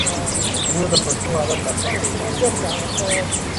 موږ د پښتو ادب راتلونکي ته هیله مند یو.